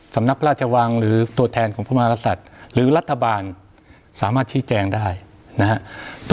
สำนักพระราชวังหรือตัวแทนของพระมรสัตว์หรือรัฐบาลสามารถชี้แจงได้นะฮะ